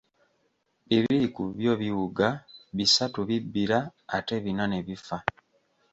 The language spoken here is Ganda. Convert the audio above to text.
Bibiri ku byo biwuga, bisatu bibbira ate bina ne bifa.